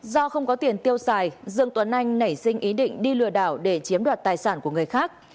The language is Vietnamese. do không có tiền tiêu xài dương tuấn anh nảy sinh ý định đi lừa đảo để chiếm đoạt tài sản của người khác